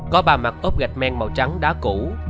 có ba mặt tốp gạch men màu trắng đá cũ